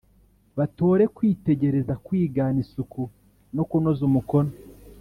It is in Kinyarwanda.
batore kwitegereza, kwigana, isuku no kunoza umukono.